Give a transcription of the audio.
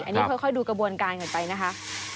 อันนี้ค่อยดูกระบวนการกันไปนะคะ